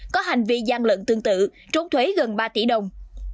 có hành vi gian lận tương tự trốn thuế gần ba tỷ đồng